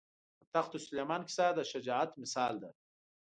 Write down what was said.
د تخت سلیمان کیسه د شجاعت مثال ده.